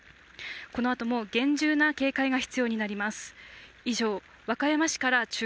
このあとも厳重な警戒が必要になります。